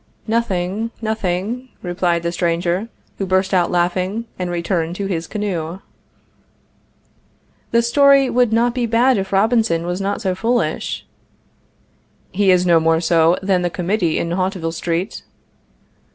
"Nothing, nothing," replied the stranger, who burst out laughing, and returned to his canoe. The story would not be bad if Robinson was not so foolish. He is no more so than the committee in Hauteville street.